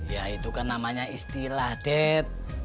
ya itu kan namanya istilah ded